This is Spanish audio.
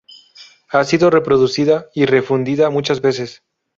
Ha sido reproducida y refundida muchas veces.